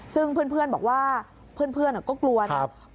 ซึ่งเพื่อนบอกว่าเพื่อนก็กลัวนะ